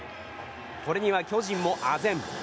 これには巨人もあぜん。